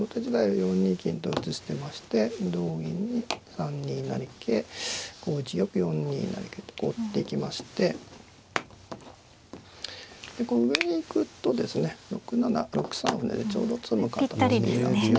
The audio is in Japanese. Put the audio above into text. ４二金と打ち捨てまして同銀に３二成桂５一玉４二成桂とこう追っていきましてでこう上に行くとですね６七６三歩成でちょうど詰む形なんですね。